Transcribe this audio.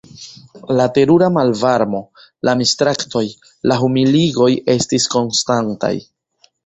La terura malvarmo, la mistraktoj, la humiligoj estis konstantaj.